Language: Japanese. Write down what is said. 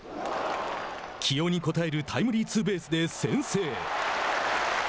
起用に応えるタイムリーツーベースで先制。